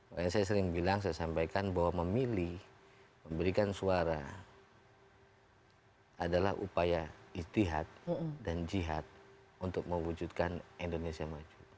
makanya saya sering bilang saya sampaikan bahwa memilih memberikan suara adalah upaya istihad dan jihad untuk mewujudkan indonesia maju